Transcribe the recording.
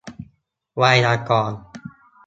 ไวยากรณ์